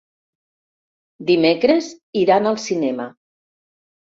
Dimecres iran al cinema.